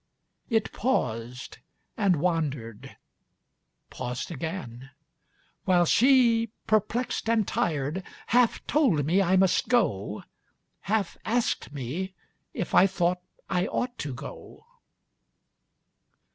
It paused .... and wandered .... paused again; while she, Perplexed and tired, half told me I must go, Half asked me if I thought I ought to go....